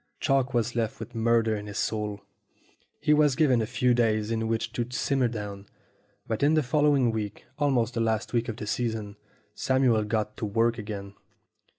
Chalk was left with murder in his soul. He was given a few days in which to simmer down. But in the following week, almost the last week of the season, Samuel got to work again.